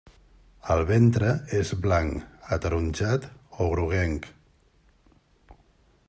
El ventre és blanc, ataronjat o groguenc.